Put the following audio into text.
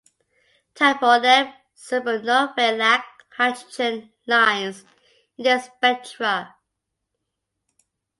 Type Oneb supernovae lack hydrogen lines in their spectra.